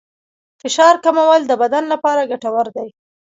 فشار کمول د بدن لپاره ګټور دي.